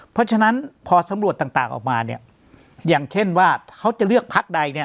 เพราะฉะนั้นพอสำรวจต่างออกมาเนี่ยอย่างเช่นว่าเขาจะเลือกพักใดเนี่ย